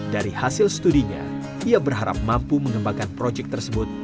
dari hasil studinya ia berharap mampu mengembangkan proyek tersebut